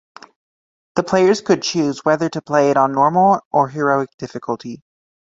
The players could choose whether to play it on Normal or Heroic difficulty.